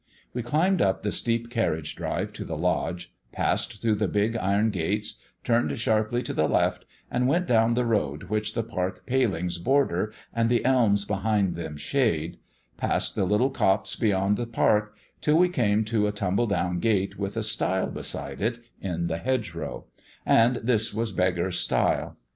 We climbed up the steep carriage drive to the lodge, passed through the big iron gates, turned sharply to the left, and went down the road which the park palings border and the elms behind them shade, past the little copse beyond the park, till we came to a tumble down gate with a stile beside it in the hedgerow; and this was Beggar's Stile.